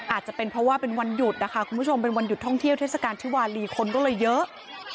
อาจจะเป็นเพราะว่าเป็นวันหยุดนะคะคุณผู้ชมเป็นวันหยุดท่องเที่ยวเทศกาลที่วาลีคนก็เลยเยอะ